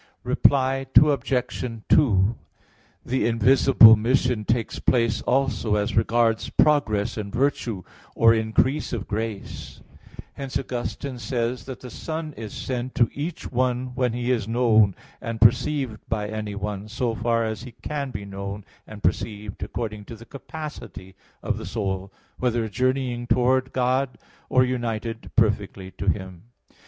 Reply Obj. 2: The invisible mission takes place also as regards progress in virtue or increase of grace. Hence Augustine says (De Trin. iv, 20), that "the Son is sent to each one when He is known and perceived by anyone, so far as He can be known and perceived according to the capacity of the soul, whether journeying towards God, or united perfectly to Him."